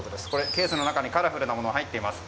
ケースの中にカラフルなものが入っています。